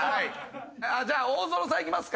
じゃあ大園さんいきますか？